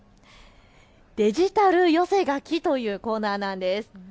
デジタル寄せ書きというコーナーです。